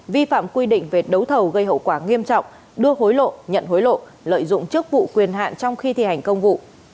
vi phạm quy định về đấu thầu gây hậu quả nghiêm trọng đưa hối lộ nhận hối lộ lợi dụng chức vụ quyền hạn trong khi thi hành công vụ